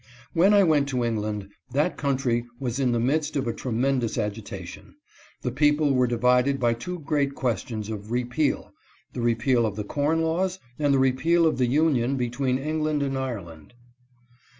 When I went to England that country was* in the midst of a tremendous agitation. ^The people were divided by two great questions of " Repeal "— the repeal' of the corn laws and the repeal of the union between England and Ireland.